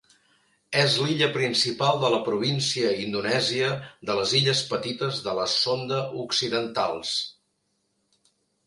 És l'illa principal de la província indonèsia de les Illes Petites de la Sonda Occidentals.